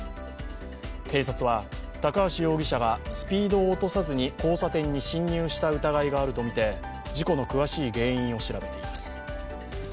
警察は高橋容疑者がスピードを落とさずに交差点に進入した疑いがあるとみて事故の詳しい原因を調べています。